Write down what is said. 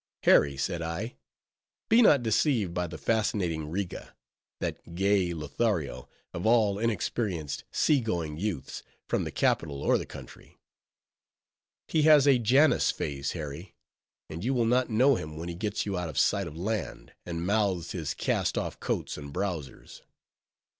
"Harry," said I, "be not deceived by the fascinating Riga—that gay Lothario of all inexperienced, sea going youths, from the capital or the country; he has a Janus face, Harry; and you will not know him when he gets you out of sight of land, and mouths his cast off coats and browsers.